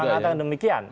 sudah mengatakan demikian